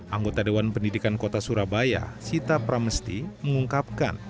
anggota dewan pendidikan kota surabaya sita pramesti mengungkapkan